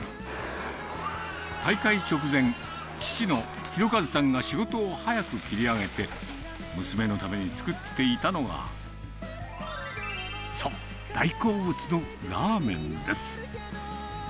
大会直前、父の弘和さんが仕事を早く切り上げて、娘のために作っていたのが、そう、大好物のラーメンです。